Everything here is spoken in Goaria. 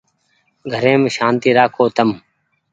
گھريم سآنتي رآکو تم ۔